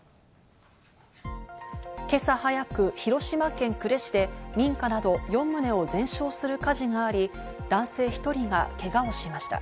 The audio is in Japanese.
今朝早く、広島県呉市で民家など４棟を全焼する火事があり、男性１人がけがをしました。